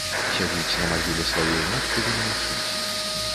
Сядзіць на магіле сваёй маткі ды маўчыць.